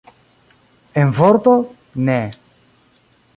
En vorto, ne.